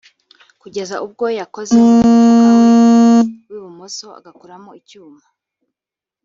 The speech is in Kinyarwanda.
kugeza ubwo yakoze mu mufuka we w’ibumoso agakuramo icyuma